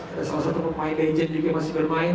ada salah satu pemain gadget juga masih bermain